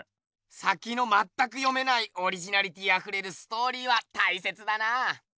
さきのまったく読めないオリジナリティーあふれるストーリーはたいせつだなぁ。